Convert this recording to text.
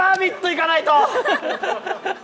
いかないと！